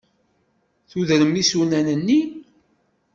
Tudrem isunan-nni.